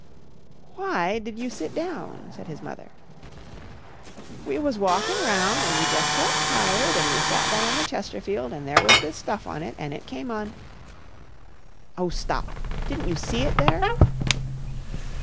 "Why did you sit down," said his mother. "We was walkin' round an' we jus' felt tired and we sat down on the Chesterfield and there was this stuff on it an' it came on " "Oh, stop! Didn't you see it there?"